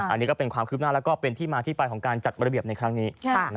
อันนี้ก็เป็นความคืบหน้าแล้วก็เป็นที่มาที่ไปของการจัดระเบียบในครั้งนี้